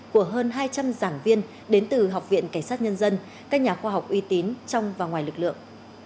của hơn hai trăm linh giảng viên đến từ học viện cảnh sát nhân dân các nhà khoa học uy tín trong và ngoài lực lượng